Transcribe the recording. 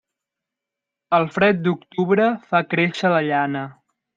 El fred d'octubre fa créixer la llana.